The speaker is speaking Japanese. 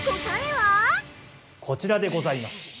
◆こちらでございます。